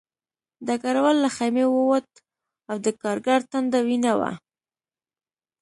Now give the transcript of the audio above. ډګروال له خیمې ووت او د کارګر ټنډه وینه وه